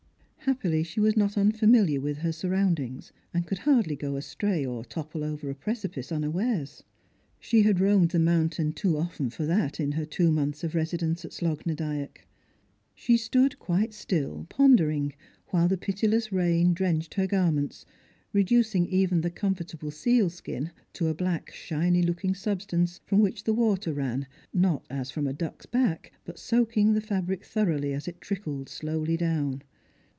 Happily she was not unfamiliar with her surroundings, and could hardly go astray or topple over a precipice unawares. She had roamed the mountain too often for that in her two months of residence at Slogh na Dyack. She stood quite still, pondering, while the pitiless rain drenched her garments, re ducing even the comfortable sealskin to a black shiny looking substance, from which the water ran, not as from a duck's back, but soaking the fabric thoroughly as it trickled slowly down.